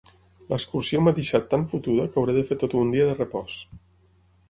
L'excursió m'ha deixat tan fotuda que hauré de fer tot un dia de repòs.